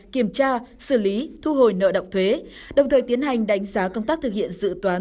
kiểm tra xử lý thu hồi nợ động thuế đồng thời tiến hành đánh giá công tác thực hiện dự toán